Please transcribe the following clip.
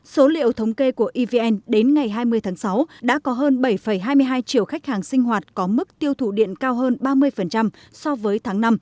số liệu thống kê của evn đến ngày hai mươi tháng sáu đã có hơn bảy hai mươi hai triệu khách hàng sinh hoạt có mức tiêu thụ điện cao hơn ba mươi so với tháng năm